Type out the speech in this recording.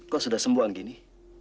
kau sudah sembuh begini